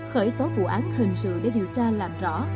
khởi tố vụ án hình sự để điều tra làm rõ